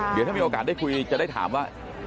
เดี๋ยวถ้ามีโอกาสได้คุยจะได้ถามว่า